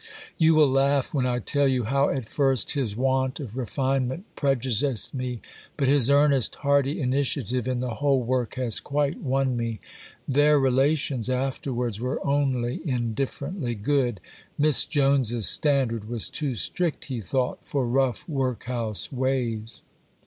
You will laugh when I tell you how at first his want of refinement prejudiced me, but his earnest hearty initiative in the whole work has quite won me." Their relations afterwards were only indifferently good. Miss Jones's standard was too strict, he thought, for rough workhouse ways.